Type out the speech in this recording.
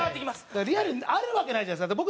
リアルにあるわけないじゃないですか。